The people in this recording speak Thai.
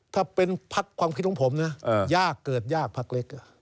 ถ้าเป็นพักความคิดของผมนะยากเกิดยากพักเล็ก